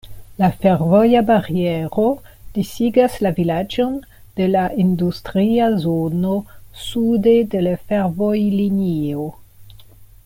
La fervoja bariero disigas la vilaĝon de la industria zono sude de la fervojlinio.